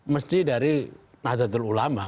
mesti dari nadatul ulama